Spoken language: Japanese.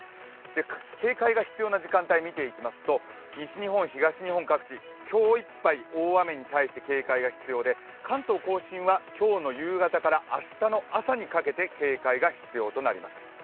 警戒が必要な時間帯を見ていきますと、西日本、東日本各地今日いっぱい大雨に対して警戒が必要で、関東甲信は今日の夕方から明日の朝にかけて警戒が必要になります。